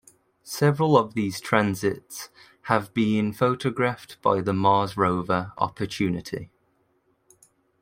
Several of these transits have been photographed by the Mars Rover "Opportunity".